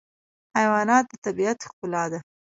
حیوانات د طبیعت ښکلا ده.